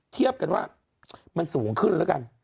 เทียบกันว่ามันสูงขึ้นแล้วกัน